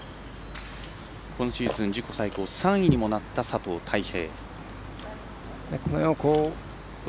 今シーズン、自己最高３位にもなった佐藤大平。